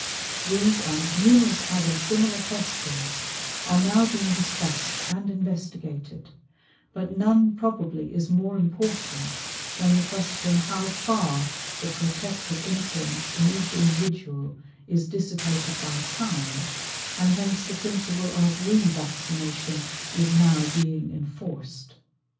These and numerous other similar questions are now being discussed and investigated, but none probably is more important than the question how far the protective influence in each individual is dissipated by time, and hence the principle of re vaccination is now being enforced.